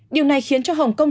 điều này khiến cho hồng kông